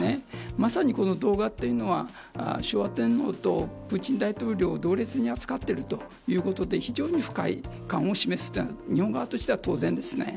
まさに、この動画というのは昭和天皇とプーチン大統領を同列に扱っているということで非常に不快感を示した日本側としては、当然ですね。